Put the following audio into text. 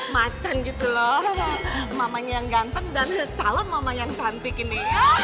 macan gitu loh mamanya yang ganteng dan calon mama yang cantik ini